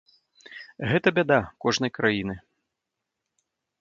Гэта бяда кожнай краіны.